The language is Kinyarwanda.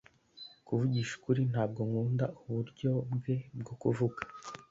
kuvugisha ukuri, ntabwo nkunda uburyo bwe bwo kuvuga